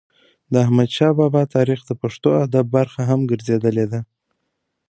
د احمدشا بابا تاریخ د پښتو ادب برخه هم ګرځېدلې ده.